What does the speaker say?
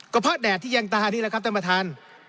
ก็เพราะแดดที่แยงตานี่แหละครับท่านประธาน